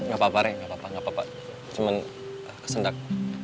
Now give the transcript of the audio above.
gapapa rek gapapa gapapa cuman kesendak